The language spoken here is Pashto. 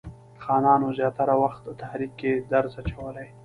خانانو زیاتره وخت تحریک کې درز اچولی.